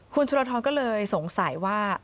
คุณชุรทรก็เลยสงสัยว่า